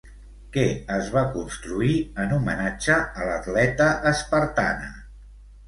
Què es va construir en homenatge a l'atleta espartana?